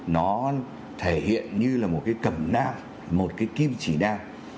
nó thể hiện như là một cái cầm nam một cái kim chỉ nam